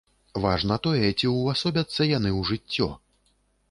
Важна тое, ці ўвасобяцца яны ў жыццё.